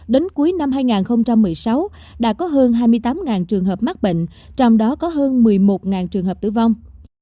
đến cuối năm hai nghìn một mươi sáu đã có hơn hai mươi tám trường hợp mắc bệnh trong đó có hơn một mươi một trường hợp tử vong